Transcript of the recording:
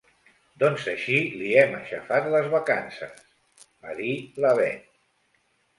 Doncs així li hem aixafat les vacances —va dir la Bet.